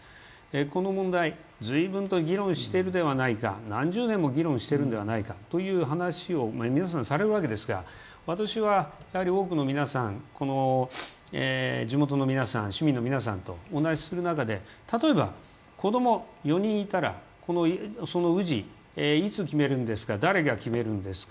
この問題、ずいぶんと議論しているではないか、何十年と議論されているではないかという話を皆さんされるんですが、ニュースでされるわけですが私は多くの皆さん、地元の皆さん市民の皆さんとお話しする中で、例えば子供が４人いたら、その氏、いつ決めるんですか誰が決めるんですか？